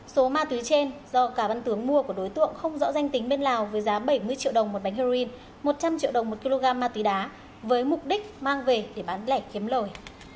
số ma túy trên do cá văn tướng mua của đối tượng không rõ danh tính bên lào với giá bảy mươi triệu đồng một bánh heroin một trăm linh triệu đồng một kg ma túy đá với mục đích mang về để bán lẻ kiếm lời